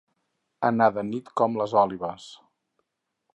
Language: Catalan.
Anar de nit, com les òlibes.